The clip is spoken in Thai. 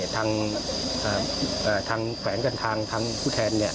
ทางแขวงการทางทางผู้แทน